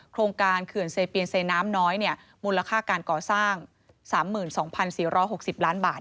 โครงการเขื่อนเซเปียนเซน้ำน้อยมูลค่าการก่อสร้าง๓๒๔๖๐ล้านบาท